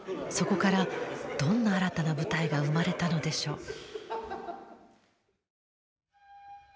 そこからどんな新たな舞台が生まれたのでしょう？